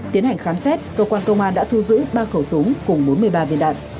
tiến hành khám xét cơ quan công an đã thu giữ ba khẩu súng cùng bốn mươi ba viên đạn